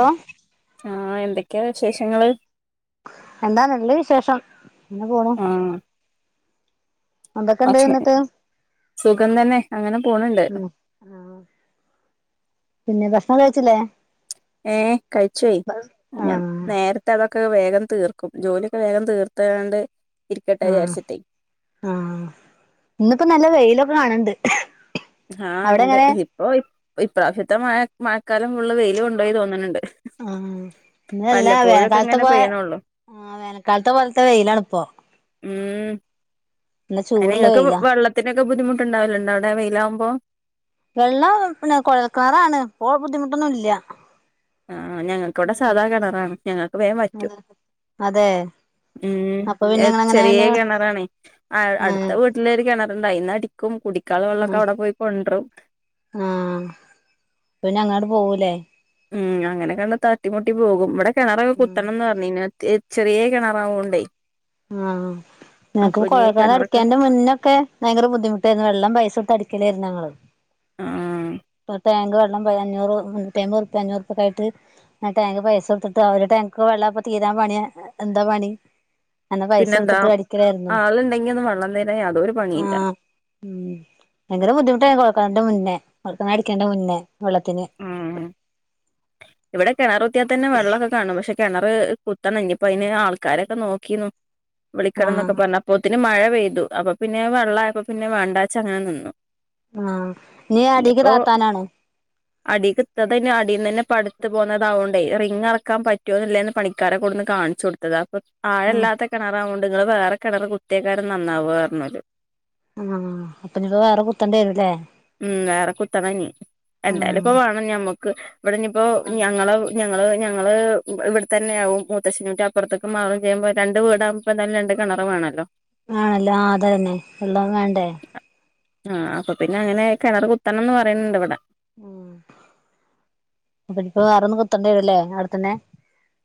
ഓ ആഹ് എന്തൊക്കെയാ വിശേഷങ്ങള് എന്താണ് നല്ല വിശേഷം എന്നെ പോണു ആഹ് എന്തൊക്കെ ഇണ്ട് ഭക്ഷണം വന്നിട്ട് സുഖം തന്നെ അങ്ങനെ പോണ്ട് പിന്നെ ഭക്ഷണം കഴിച്ചില്ലേ ഏഹ് കഴിച്ചയി ഞാൻ ആഹ് നേരത്തെ ഒക്കെ വേഗം തീർക്കും ജോലിയൊക്കെ വേഗം തീർത്താണ്ട് ഇരിക്കട്ടെ ആഹ് വിചാരിച്ചിട്ടേ ആഹ് ഇന്നിപ്പോ നല്ല വെയിലൊക്കെ കാണണ്ട് ആഹ് അവിടെ ഉണ്ട് എങ്ങനെ ഇപ്പോ ഇപ്രാവശ്യത്തെ മഴ മഴക്കാലം വെയില് കൊണ്ടോയി തോന്നുന്നുണ്ട് ആഹ് ഇന്നല്ലാ വേനൽക്കാലത്ത് ഇങ്ങനെ പോയ പെയ്യണള്ളൂ ആഹ് വേനൽക്കാലത്തെ പോലത്തെ വെയിലാണ് ഇപ്പോ ഉം നല്ല അതി ചൂടുള്ള നിങ്ങൾക്ക് വെയിലാ വെള്ളത്തിനൊക്കെ ബുദ്ധിമുട്ട്ണ്ടാവല്ണ്ടോ അവിടെ വെയിലാവകുമ്പോ വെള്ളം പിന്നെ കുഴൽക്കാറാണ് ഇപ്പോ ബുദ്ധിമുട്ടൊന്നും ഇല്ല ആഹ് ഞങ്ങൾക്ക് ഇവിടെ സാധാ കിണറാണ് ഞങ്ങൾക്ക് വേഗം പറ്റും അതെ ഉം അപ്പൊ പിന്നെ ഇങ്ങള് എങ്ങനെ ചെറിയ പിന്നെ കിണറാണേ അടുത്ത ആഹ് വീട്ടിലൊ ഒരു കിണർ ണ്ടായി അടിക്കും കുടിക്ക ക്കാള്ള വെള്ളമൊക്കെ ആഹ് അവിടെ പോയി കൊണ്ടും ആഹ് പിന്നെ അങ്ങോട്ട് പോവൂലേ ഉം അങ്ങനെ കണ്ട തട്ടിമുട്ടി പോകും ഇവിടെ കിണറൊക്കെ ഉം കുത്തണം എന്ന് പർഞ്ഞീ ചെറിയ കിണറാവോണ്ടേ ആഹ് നിനക്ക്ി അപ്പൊ ഇനി കുഴക്ക കിണറൊക്കെ അടിക്കാന്റെ മുന്നൊക്കെ ഭയങ്കര ബുദ്ധിമുട്ടായിരുന്നു വെള്ളം പൈസ ഇട്ട് അടിക്കലായിരുന്നു ഞങ്ങൾ ആഹ് പ്പ തേങ്ക് അഞ്ഞൂറ് മുന്നൂറ്റി അമ്പത് അഞ്ഞൂറ്ക്കയിട്ട്ടാങ്ക് പൈസ കൊടുത്തിട്ട് അവ ടാക് വെള്ള തീ പണിയ എന്താ പണി എന്നാ പൈസ പിന്നെന്താ കൊടുത്തിട്ട് അടിക്കലായിരുന്നു ആളുണ്ടെങ്കി ഒന്നും വെള്ളം തരാൻ യാതൊരു പണിയില്ല ആഹ് ഉം ഭയങ്കര ബുദ്ധിമുട്ടായി കോയൽകേണറിന്റെ മുന്നേ ഉറക്കടിക്കേണ്ട മുന്നേ വെള്ളത്തിന് ഉം ഇവിടെ കിണർ കുത്തിയാാൽ തന്നെ വെള്ളമൊക്കെ കാണും പക്ഷെ കിണർ കുത്തണം ഇനിപ്പോ അതിന് ആൾക്കാരൊക്ക നോക്കുന്നു വിളിക്കണം എന്നൊക്കെ ആഹ് പറഞ്ഞു അപ്പത്തിന് മഴ പെയ്തു അപ്പൊ പിന്നെ വെള്ളയപ്പോ പിന്നെ വേണ്ടാച്ച അങ്ങനെ നിന്നു ആഹ് ഇനി അടീക്ക് ഇനിപ്പോ താത്താനാണ് അടി കിത്താതെ അീന്ന്ന്നെ പടുത്തു പോകുന്നത്താവുകൊണ്ടേ റിങ്ങറക്കാൻ പറ്റുവോന്നില്ല എന്ന് പണിക്കാരെ കൂടെന്ന് കാണിച്ചു കൊടുത്തത് അപ്പൊ ആഹ് ആഴല്ലാത്ത കിണറാവകോണ്ട് നിങ്ങള് വേറെ കിണർ കുത്തിയക്കാരും നന്നാവ പറഞ്ഞോല് ആഹ് അപ്പൊനിപ്പോ വേറെ കുത്തണ്ടി വരുല്ലേ? ഉം വേറെ കുത്തണഞ്ഞി എന്തായാലും ആഹ് ഇപ്പൊ വേണം ഞമ്മക്ക് ഇവിടനി ഇപ്പോ ഞങ്ങള് ഞ ഞങ്ങള് ഞങ്ങള് ഇവിടെത്തന്നെ ആവും മൂത്തച്ചൻ അപ്പുറത്തേക്ക് മാറും ചെയ്യുമ്പോ രണ്ട് വീടാകുമ്പോ ര ണറ് വാണല്ലോ ആണല്ലോ ആ അതന്നെ വെള്ളാം വേണ്ടേ, ആഹ് അപ്പൊ പിന്നെ അങ്ങനെ കിണർ കുത്തണം എന്ന് പറയുന്നുണ്ട് ഇവിടെ ഉം അപ്പ ഇപ്പ വേറെന്നും കുത്തേണ്ടി വരല്ലേ അവിടെത്തന്നെ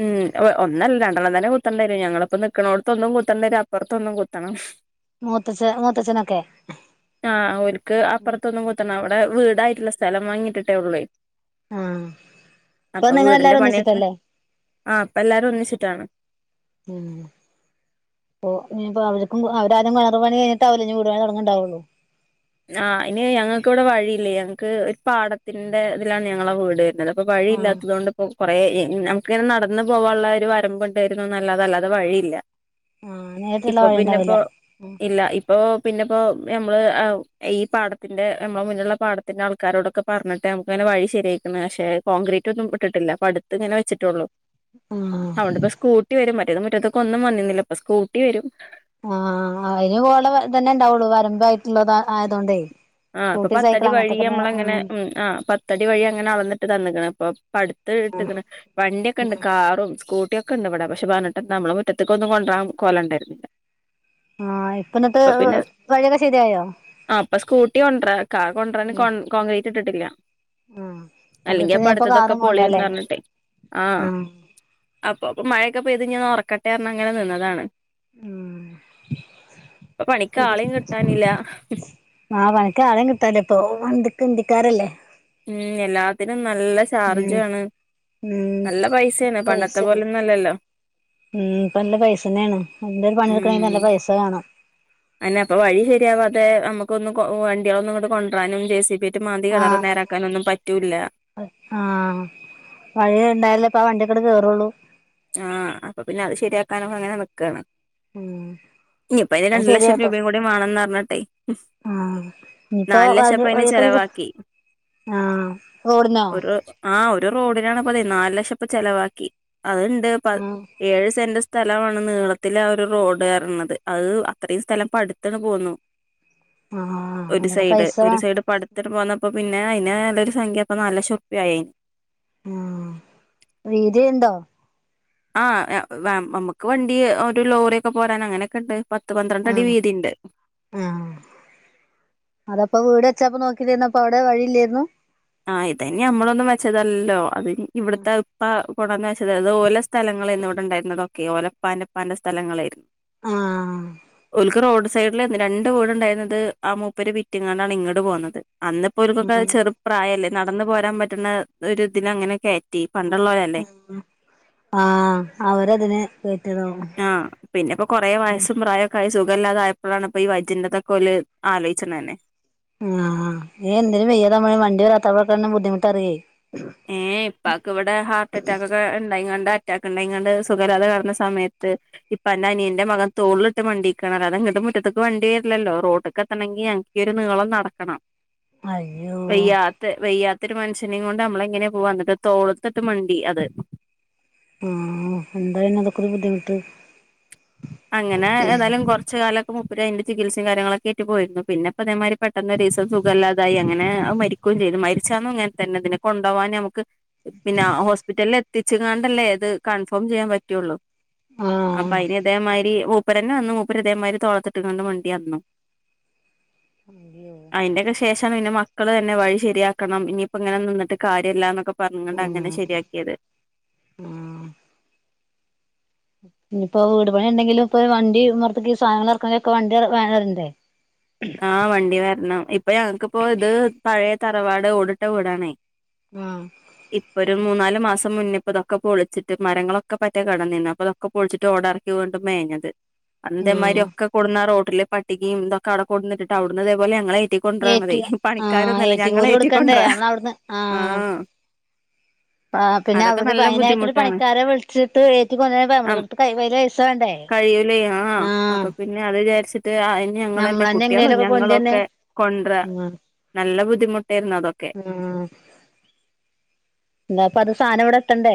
ഉം ഒന്നല്ല രണ്ടെണ്ണം തന്നെ കൊത്തണ്ടരും ഞങ്ങള് പ്പോ നിൽക്കണോടത്തൊന്നും ക്കത്തണ്ടരും അപ്പുറത്തൊന്നും കുത്തണം മൂത്തച് മൂത്തച്ഛനൊക്കെ ആഹ് ഓൽക്ക് അപ്പുറത്തൊന്നും കുത്തണം അവിടെ വീടായിട്ടില്ല സ്ഥലം വാങ്ങിട്ടിട്ടേ ഒള്ളൂ ആഹ് ഇപ്പൊ അപ്പൊ വീടിന്റെ നിങ്ങളെല്ലാരും പണിയൊക്കെ ഒന്നിച്ചിട്ടല്ലേ ആഹ് അപ്പൊ എല്ലാരും ഒന്നിച്ചിട്ടാണ് ഉം ഇപ്പൊ ഇനിയിപ്പോ അവർക്കും അവര് ആരും കിണർ പണി കഴിഞ്ഞട്ട് അവര് വീടുണി തുടങ്ങണ്ടാവുള്ളു ആ ഇനി ഞങ്ങൾക്കവിടെ വഴിയില്ലേ ഞങ്ങക്ക് ഒരു പാടത്തിന്റെ ഇതിലാണ് ഞങ്ങളെ വീട് വരുന്നത് അപ്പൊ ആഹ് വഴിയില്ലാത്തത് കൊണ്ട്പ്പം കൊറെ നമുക്കിങ്ങനെ നടന്ന് പോകാനുള്ള ഒരു വരമ്പ് ഉണ്ടായിരുന്നു നല്ലാതെ അല്ലാതെ വഴിയില്ല ആഹ് നേരിട്ടുള്ള ഇപ്പൊ വഴി ഉണ്ടാവില്ല പിന്നെപ്പോ ഇല്ല ഇപ്പൊ പിന്നെപ്പോ ഞമ്മള് ആ ഈ പാടത്തിന്റെ നമ്മുടെ മുന്നില പാടത്തിന്റെ ആൾക്കാരോടൊക്കെ പറഞ്ഞിട്ട് നമുക്ക് അങ്ങനെ വഴി ശരിയായിരിക്കുന്നു പക്ഷേ കോൺഗ്ര റ്റൊന്നും ഇട്ടിട്ടില്ല പടുത്ത്ങ്ങനെ വച്ചിട്ടുള്ളൂ ആഹ് അതോണ്ട് ഇപ്പ സ്കൂട്ടി വരും മറ്റത് മുറ്റത്തൊക്കൊന്നും വന്ന്നില്ല ഇപ്പൊ സ്കൂട്ടി വരും ആഹ് അതിന് പോലെ തന്നെ ഇണ്ടാവുള്ളു വരമ്പ് ആയിട്ടുള്ളത ആയതോണ്ടേ ആഹ് ഇപ്പൊ സ്കൂട്ടി പത്തടി സൈക്കിൾ വഴി അങ്ങനത്തൊക്കെന്നെ നമ്മളങ്ങെ ആഹ് ഉ ആ പത്തടി വഴി അങ്ങനെ അളന്നിട്ട് തന്നക്ക് ണ് ഇപ്പ പടുത്ത് ഇട്ട്ക്ക്ണ് വണ്ടിയൊക്കെ ഉണ്ട് കാറും സ്കൂട്ടിയൊക്കെ കണ്ട്വടെ പക്ഷെ പറഞ്ഞിട്ട് എത്താ നമ്മള് മുറ്റത്തേക്ക് ഒന്നും കൊണ്ടരാൻ കൊലണ്ടായിരുന്നില്ല ആഹ് ഇപ്പന്നിട്ട് വഴൊക്കെ ശരിയയോ ആ അപ്പൊ സ്കൂട്ടി കൊണ്ടര കാർ കൊണ്ടരാന് ആഹ് കോൺക്രീറ്റ് ഇട്ടിട്ടില്ല അല്ലെങ്കിൽ ആഹ് ഇപ്പൊ പടുത്തതൊക്കെ കാറും കൊണ്ടല്ലേ പോളിന്ന് പറഞ്ഞിട്ടെ ആഹ് അപ്പൊ മഴയൊക്കെ പെയ്തി ഉറക്കട്ടെ റഞ്ഞ് അങ്ങനെ നിന്നതാണ് ആഹ് പണിക്ക് ആളെയും കിട്ടാനില്ല ആ പണിക്ക് ആളും കിട്ടാനില്ല ഇപ്പോ വണ്ടിക്കെ നന്തിക്കാരല്ലേ ഉം എല്ലാത്തിനും നല്ല ഉം ചാർജാണ് ഉം നല്ല പൈസയാണ് പണ്ടത്തെ പൈസേണ് പോലല്ലല്ലോ ഉം ഇപ്പൊ നല്ല പൈസ തന്നെയാണ് എന്തെ ഒരു പണി എടുക്കണെങ്കിൽ നല്ല പൈസ വാണാം അതന്നെ അപ്പൊ വഴി ശരിയാവാതെ നമുക്കൊന്ന് വണ്ടികളൊന്നും ഇങ്ങട്ട് കൊണ്ടുവരാനും ജെ സി ബി മറ്റ് മാന്തി കെണർ ആഹ് നേരാക്കാനൊന്നും പറ്റൂില്ല ആഹ് വഴി ഉണ്ടായാലല്ലേ ഇപ്പ ആ വണ്ടിയൊക്കട് കേയറുള്ളൂ ആഹ് അപ്പൊ പിന്നെ അത് ശരിയാക്കാനോ അങ്ങനെ നിക്കയാണ് ആഹ് ഇനിയിപ്പ അയ്ന് രണ്ടു ലക്ഷം രൂപയും കൂടി വേണംന്ന് പറഞ്ഞിട്ടെ ആഹ് ഇനിയിപ്പോ നാല് ലക്ഷം ഇപ്പ അതിന് അഴക്ക ചെലവാക്കി ആഹ് റോഡ് ന്നോ ഒരു ആഹ് റോഡിനാണ് പ്പതെ നാല് ലക്ഷം ഇപ്പ ചെലവാക്കി അത്ണ്ട് ആഹ് ഏഴ് സെന്റ് സ്ഥലമാണ് നീളത്തിലെ ആ ഒരു റോഡ് പറിണത് അത് അത്രയും സ്ഥലം പടുിത്തണ് പോന്നു ആഹ് ഒരു അതിനൊക്കെ സൈഡ് പൈസ ഒരു സൈഡ് പടുത്ത് ങ്ങട്ട് പോന്നപ്പോ പിന്നെ അതിന് നല്ലൊരു സംഖ്യ അപ്പ നാല് ക്ഷം ഉറുപ്പിയായി അന്..... ആ വീതി ഉണ്ടോ ആ നമുക്ക് വണ്ടി ഒരു ലോറി ഒക്കെ പോരാൻ അങ്ങനൊക്കെ ഉണ്ട് പത്ത് പന്ത്രണ്ട് അടി ആഹ് വീതിണ്ട് ആഹ്. അതപ്പ വീടെ ച്ചപ്പ നോക്കിട്ടിരുന്നപ്പപ്പോ അവിടെ വഴില്ലായിരുന്നു ആ ഇതയ്ന് ഞമ്മളൊന്നും വെച്ചതല്ലല്ലോ അത് ഇവിട്ത്തെ ഇപ്പ കൊണ്ടന്ന് വെച്ചത അത് ഓലെ സ് സ്ഥലങ്ങളേര്ന്നു ഇവിടെണ്ടായിര്ന്നതൊക്കെ ഓലപ്പാന്റെപ്പാന്റെ സ്ഥലങ്ങളേ ആഹ് ഓൽക്ക് റോഡ് സൈഡില് രണ്ട് വീട് ണ്ടായിര്ന്നത് ആ മൂപ്പര് വിറ്റിങ്ങാണ്ടാണ് ഇങ്ങട്ട് പോന്നത് അന്നപ്പോൽക്കൊക്കെ ഉം ചെർ ല്ലെ നടന്ന് പോരാൻ പറ്റുന്ന ഒരുതിന് അങ്ങനൊക്കെ ആ അവരതിനെ ആ പിന്നെപ്പോ കൊറെ വയസ്സും പ്രായൊക്കായി സു ഖല്ലാതായപ്പഴാണ് ഇപ്പൊ ഈ വയറ്റിന്റതൊക്കെ ആലോയ്ച്ച്ണതെന്നെ ആ എന്തേലും വെയ്യാതാമ്പഴേ വണ്ടി [unintelligible] ബുദ്ധിമുട്ടറിയേ ഏ പ്പാക്ക് ഇവടെ ഹാർട്ട് അറ്റാക്കൊക്കെ ഉണ്ടായ്ങ്ങാണ്ട അറ്റാക്ക് ണ്ടായ്ങ്ങാണ്ട് സുഖല്ലാതെ കെട്ന്ന സമയത്ത് പ്പാന്റെ അനിയന്റെ മകൻ തോളിലിട്ട് മണ്ടിക്കാണ് അതങ്ങട്ട് മുറ്റത്തക്ക് വണ്ടി വര്ല്ലല്ലോ റോട്ട്ക്കെത്തണങ്കി എനിക്ക് ഒരു നീളം നടക്കണം അയ്യോ വെയ്യാത്തെ വെയ്യാ ത്തൊരു മനുഷ്യനേം കൊണ്ട് നമ്മളെങ്ങനെ പോവാ ന്നിട്ട് തോളത്തിട്ട് മണ്ടി അത് ആ എന്താന്ന അതൊക്കൊരു ബുദ്ധിമുട്ട് അങ്ങനെ ഏതായാലും കൊർച്ച് കാലം മുപ്പരേയ്ന്നു അയ്ന്റെ ചികിത്സയും കാര്യങ്ങളൊക്കായിട്ട് പോയിരുന്നു പിന്നെപ്പൊ തേമാതിരി പെട്ടെന്ന് ഒരീസം സുഖല്ലാതായി അങ്ങനെ അത് മരിക്കു ക്കും ചെയ്ത് മരിച്ചന്നും ങ്ങനെ തെന്നെ ഇതിനെ കൊണ്ടോവാന് ഞമ്മക്ക് പിന്നെ ഹോസ്പിറ്റലിൽ എത്തിച്ച്ങ്ങാണ്ടല്ലേ ത് ത് കൺഫേം ചെയ്യാൻ പറ്റുള്ളൂ ആ രി മൂപ്പരെന്നെ വെന്നു മൂപ്പര് ഇതേമാതിരി തോളത്ത്ട്ട്ങ്ങാണ്ട് മണ്ടി പർഞ്ഞു അയ്യോ അയ്ന്റൊക്കെ ശേഷാണ് പിന്നെ മക്കള് തന്നെ വഴി ശെരിയാക്കണം ഇനി ഇപ്പങ്ങനെ നിന്നിട്ട് കാര്യല്ലന്നൊക്കെ പറഞ്ങ്ങാണ്ട് അങ്ങനെ ആഹ് ശെരിയാക്ക്യേത് പിന്നെപ്പോ വീട് പണി ണ്ടെങ്കിലും ഇപ്പൊരു വണ്ടി മ്മർത്ത്ക്ക് സാധനങ്ങൾ എർക്കാനൊക്കെ വണ്ടി വെരണ്ടേ ആ വണ്ടി വെര്ണം ഇപ്പൊ ഞങ്ങക്ക്പ്പോ ഇത് പഴയ തറവാട് ഓടിട്ട വീടാണേ ആ ഇപ്പൊ ഒരു മൂന്നാല് മാസം മുന്നേ ഇപ്പതൊക്കെ പൊള്ച്ച്ട്ട് മരങ്ങളൊക്കെ പറ്റ കേടെന്നീന്നു അപ്പ തൊക്കെ പൊളിച്ച്ട്ട് ഓടെർക്കി വീണ്ടും മേ ഞത് അന്ന് ഇതേമാതിരി ആഹ് ഒക്കെ കൊടുന്ന ആ റോട്ടില് പട്ടികേം ഇതൊക്കെ അവടെ കൊട്ന്ന്ട്ട്ട്ട് അവിടുന്നതേ പോലെ ഞങ്ങളെ ഏറ്റിക്കൊണ്ട്രാണതെ ഏറ്റ് ആഹ് പണിക്കാരൊന്നല്ല ഞങ്ങള് ഏറ്റുകൂലി കൊടുക്കണ്ടേ ഏറ്റിക്കൊണ്ട്ര നമ്മള് ആ ആ പിന്നെ അതൊക്കെ അവര് നല്ല അയ്നായ്റ്റൊരു ബുദ്ധിമുട്ടാണ് പണിക്കാരെ വിളിച്ചിട്ട് ഏറ്റി കൊണ്ടര്ണങ്കില് ആ നമ്മളെട്ത്ത് കയ്യില് പൈസ വേണ്ടേ കഴിയൂലേ ആ ആഹ് അപ്പൊ പിന്നെ അത് വിചാരിച്ചിട്ട് അയ്ന് ഞങ്ങളെന്നെ കൊ ഞമ്മളന്നെ കുട്ട്യാളും എങ്ങനേലൊക്കെ കൊണ്ടന്നെ ഞങ്ങളൊക്കെ കൊണ്ട്രാൻ ആഹ് നല്ല ബുദ്ധിമുട്ടേര്ന്നു അതൊക്കെ [inaudible] ങ്ങള് പറഞ്ഞ സാനം ഇവിടെ എത്തണ്ടേ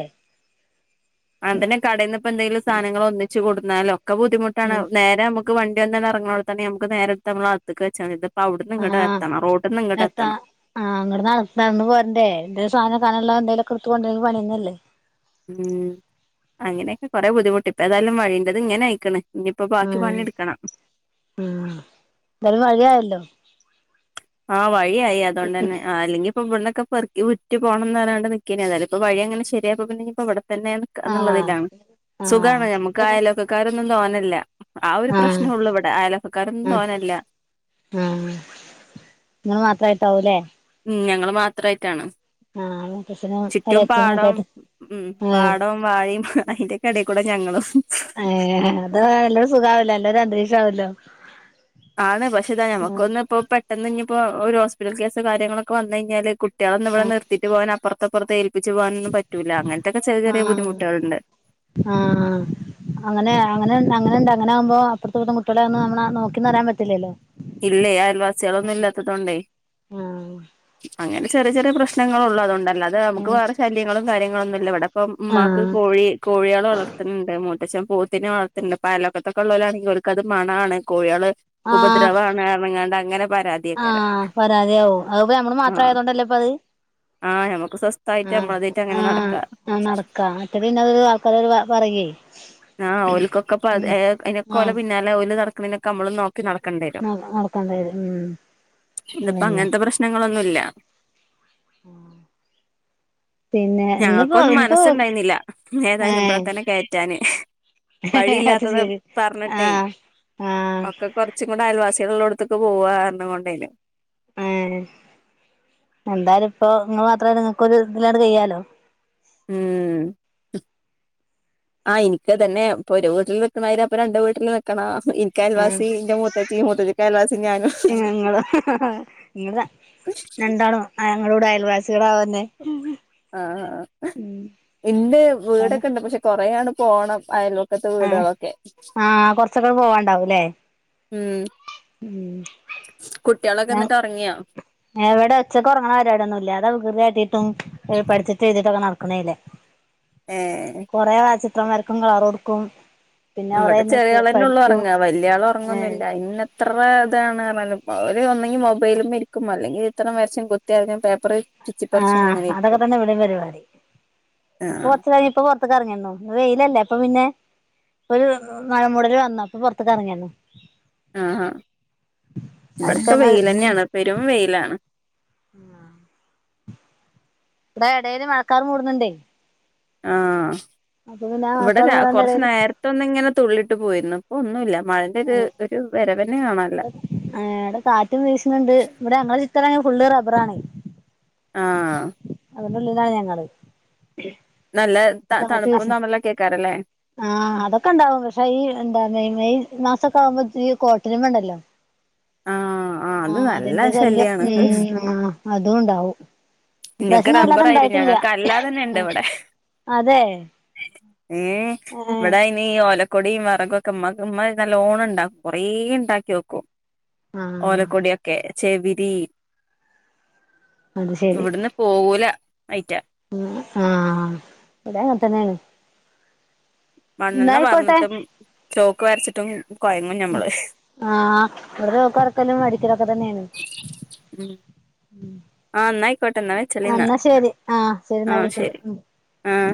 ന്നാലുംക്കെ ബുദ്ധിമുട്ടാണ് ഉം നേരെ നമുക്ക് വണ്ടി വന്നാല് എറങ്ങണോട്ത്തെന്നെ നമുക്ക് നേരെ ട്ത്ത് ഞമ്മളെ അകത്ത്ക്ക് വെച്ചാ മതി ഇത് ആ എത്താ ആ അങ്ങട്ട് നട നടന്ന് പോരണ്ടേ എന്തേം സാനം സാനുള്ള എന്തേലുംക്കെടുത്ത് [unintelligible] പണിയന്നല്ലേ ഉം അങ്ങനൊക്കെ കൊറെ ബുദ്ധിമുട്ടി ഇപ്പൊ ഏതായാലും വഴീന്റത് ഇങ്ങനായ്ക്ക്ണ് ഉം എ എന്താലും വഴിയായല്ലോ ആ വഴിയായി അതോണ്ടെന്നെ ആ അല്ലെങ്കിപ്പൊ ഇവ്ട് ക്കെ പെർക്കി വിറ്റ് പോണം ന്ന് പർഞാണ്ട് നിക്കേന്ന് ഏതായാലും പ്പൊ വഴി അങ്ങനെ ശരിയപ്പോപ്പിന്നെ ഇവ്ട് ത്തെന്നെ നിക്ക ആഹ് ന്ന്ള്ളതിലാണ് ആഹ് സുഗാണ് ഞമ്മക്ക് പിന്നെ അയൽവക്കക്കാരൊന്നും തോന്നല്ല ആ ഒരു ആഹ് പ്രശ്നം ഉള്ളൂ ഇവടെ അയൽവക്കക്കാരൊന്നും ആഹ് തോന്നല്ല ങ്ങള് മാത്രായിട്ടാവൂലെ ഉം ഞങ്ങള് മാത്രായിട്ടാണ് ആഹ് മൂത്തച്ഛനും ചുറ്റും എളയച്ഛനും ഒക്കെ പാടം ആയിട്ട് ഉം ഏഹ് പാടം വാഴയും അയ്ന്റെക്കെടെക്കൂടെ ഞങ്ങളും- ഏഹ് അത് നല്ലൊരു [unintelligible] ആണ് പക്ഷെ ഇതാ ഞമ്മക്കൊന്ന് പ്പോ പെട്ടെന്ന് ഞ്ഞിപ്പം ഒരു ഹോസ്പിറ്റൽ കേസ് കാര്യങ്ങളൊക്കെ വന്ന് കഴിഞ്ഞാല് കു കുട്ട്യാളൊന്നും ഇവ്ടെ ആഹ് നിർത്തിട്ട് പോവാനോ അപ്പറത്തപ്പർത്തോ ഏൽപ്പിച്ച് പോകാനൊന്നും പറ്റൂല്ല അങ്ങനത്തൊക്കെ ചെറിയ ചെറിയ ബുദ്ധിമുട്ടാള്ണ്ട് ആ അങ്ങനെ അങ്ങനെ അങ്ങനെണ്ട അങ്ങനെ ആവുമ്പോ അപ്പൊർത്തെ വീട്ടിലെ കുട്ടികളെ ഒന്ന് [unintelligible] നോക്കിന്നറിയാൻ പറ്റില്ലല്ലോ ഇല്ലേ അയൽവാസികളൊന്നും ഇല്ലാത്തതൊണ്ടേ ഉം അങ്ങനെ ചെറിയ ചെറിയ പ്രശ്നം പ്രശ്നങ്ങളൊള്ളു അത്‌കൊണ്ടല്ല അത് നമുക്ക് ആഹ് വേറെ ശല്യങ്ങളും കാര്യങ്ങളൊന്നും ഇല്ല ഇവിടെ ഇപ്പം മ്മാക്ക് കോഴി കോഴിയാള് വളർത്തുന്നുണ്ട് മൂത്തച്ചം പോത്തിനെ വളർത്ത്ണ്ട് അയലക്കത്തൊക്കെള്ളോലാണെങ്കി ഓൽക്കത് മണാണ് കോഴിയാള് ആ ദരവാണ് റഞ്ഞ്കണ്ടങ്ങനെ ആ പരാതിയാവും അത്പ്പഞമ്മള് മാത്രം ആയതോണ്ടല്ലേപ്പത് അ നമുക്ക് സ്വസ് ആ ആ ആ നടക്കാ മറ്റേത് പിന്നതൊരു ആൾക്കാരത് ഒരു പറയ്യുയ് ആ ഓൽക്കൊക്കെ പത് അയ്നൊക്കെ പോലെ പിന്നാലെ ഓല് നടക്കുന്നതിനൊക്കെ നമ്മളും നോക്ക് ക്കി നടക്കണ്ടിരും നടക്കണ്ടായത് ഉം ഇന്നിപ്പങ്ങൻത്തെ പ്രശ്നങ്ങളൊന്നൂല്ല്യ ഉം പിന്നെ ഇന്ന് ഇപ്പോ ഞങ്ങൾക്കൊന്നും ഇപ്പോ മനസ്സുണ്ടായിരുന്നില്ല ഏ ഏതായാലും ഇവിടെ തന്നെ കയറ്റാന് വഴിയില്ലാത്തത് പറഞ്ഞിട്ടെയ് ആഹ് ആഹ് ഒക്കെ കൊർച്ചും കൂടെ അയൽവാസി കളുള്ളോട്ത്ത്ക്ക് പോകാ പറഞ്ഞ്കൊണ്ടേയ്ര്ന്നു. ഏ എന്തായാലും ഇപ്പൊ ങ്ങള് മാത്രല്ല നിങ്ങക്കൊരു ഇതിലാണ്ട് കയ്യാലോ ഉം ആഹ് ഇൻക്ക്തന്നെ ഇപ്പൊ ഒരു വീട്ടില് നിക്ക്ണമാതിരി അപ്പരണ്ട് വീട്ടില് നിക്കണം ഉം ഇൻക്കയൽവാസി ന്റെ മൂത്തച്ചി മൂത്തച്ഛിക്കയൽവാസി ഞാനും നിങ്ങള് നിങ്ങള് രണ്ടാളും അങ്ങടുങ്ങടു അയൽവാസി ആഹ് ഇണ്ട് വീടൊക്കെണ്ട് പക്ഷേ കൊറേയാണ്ട് പോണം അയൽവ ആഹ് ആ കൊറച്ചൊക്കെ പോവാണ്ടാവൂല്ലേ ഉം കുട്ടികളൊക്കെന്നിട്ട് ഒ റങ്ങിയോ എവടെ ഉച്ചക്കൊർങ്ങണപരിപാടി ഒന്നുല്ല അതാ വികൃതികാട്ടീട്ടും ഏ പഠിച്ചിട്ട് എഴു തീട്ടൊക്കെ നടക്കണേല്ലേ ഏ കൊറേ ചിത്രം വരക്കും കളറൊടുക്കും ഉം ഇവടെ ചെറിയ ആളന്നെ ഒള്ളൂ ഒർങ്ങാ വലിയ ആള് ഒർങ്ങൊന്നുല്ല ഇന്ന എത്ര ഇതാണ്ർഞ്ഞാലും അവര് ഒന്നെങ്കി മൊബൈല്മ്മെ ഇരിക്കും അല്ലെങ്കി ചിത്രം വരച്ചും കുത്തിയര്ഞ്ഞും പേപ്പറ് ആ അതൊക്കെതന്നെ വടിം പരിപാടി ആ ഇപ്പൊ കൊർച്ച് കയിഞ്ഞപ്പൊ പൊർത്ത്ക്കെറങ്ങിയെണ്ണു വെയിലല്ലേ ഇപ്പൊ പിന്നെ ഒരു നലമൂടൽ വന്നു അപ്പൊ പൊർത്ത്ക്ക് ഇറങ്ങിയന്നു ആഹാ ഇവട്ത്തെ അത്ക്കങ്ങ് വെയ്ലന്നെ ആണ് പെരും വെയിലാണ് ഇടാ എടേല് മഴക്കാർ മൂടുന്നുണ്ടേ ആഹ് അപ്പൊ പിന്നെ ആ ഇവടെ മഴക്കാറ് മൂടണേന്റെ കൊർച്ച് എടേല് നേര്ത്തൊന്നിങ്ങനെ തുള്ളിട്ട് പോയിരുന്നു ഒന്നുമില്ല മഴന്റെ ഒരു വരവ് ഏ ഇവിടെ കാറ്റും വീശുന്നുണ്ട് ഇവിടെ ഞങ്ങളെ ചിറ്ററും ഫുള്ള് റബ്ബറാണെ ആഹ് അതിന്റുള്ളിലാ ഞങ്ങള് നല്ല ത തണുപ്പും തമ്മില കേക്കാറല്ലേ ആ അതൊക്കെണ്ടാവും പക്ഷേ ഈ എന്താ മെയ് മെയ് മാസൊക്കെ ആകുമ്പോതിന് ഈ കോട്ടെരുമണ്ടല്ലോ ആഹ് ആഹ് അത് ആ നല്ല അതിെന്റെ ശല്യം ശല്യാണ് ഉം ആ അതുണ്ടാവും നിങ്ങൾക്ക് റബ്ബർ ആയിരുന്നു ഞങ്ങൾക്ക് അല്ലാതെ തന്നെ ഇണ്ട് ആഹ് ഇവിടെ അതെ ഉം ഏഹ് വടയ്നീ ഓല കൊടിയും വേറെകൊക്കെമ്മ ഉമ്മ നല്ലോണംണ്ടാക്കും കൊറേണ്ടാക്കി വെക്കും ആഹ് ഓലക്കൊടിയൊക്കെ ചെവിരി ഇവിടന്ന് പോകൂല അയ്റ്റാ ഉം ആഹ് ഇവടെ അങ്ങനത്തന്നെയാണ് മണ്ണെണ് പറഞ്ഞിട്ടും ചോക്ക് വരച്ചിട്ടും കൊയങ്ങും ഞമ്മള് ആഹ ഇവിടെക്കറക്കല്ലും വരിക്കലൊക്കെ തന്നെയാണ് ഉം ആഹന്നയിക്കോട്ടന്നാവേ ചലിന്നാ അന്നാ ശരി ആഹ് ശരി ന്നാ ആഹ വിളിക്കണ്ട് ശരി ഉം ആഹ്